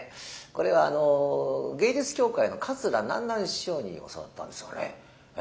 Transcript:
これはあの芸術協会の桂南なん師匠に教わったんですよね。